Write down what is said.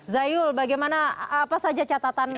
zayul bagaimana apa saja catatannya